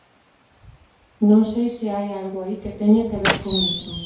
Non sei se hai algo aí que teña que ver con iso.